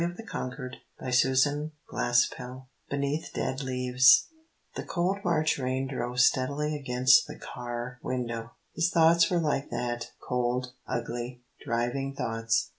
_" PART THREE CHAPTER XXXVII BENEATH DEAD LEAVES The cold March rain drove steadily against the car window. His thoughts were like that, cold, ugly, driving thoughts.